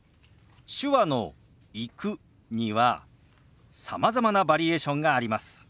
手話の「行く」にはさまざまなバリエーションがあります。